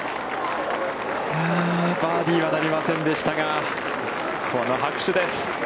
バーディーはなりませんでしたが、この拍手です。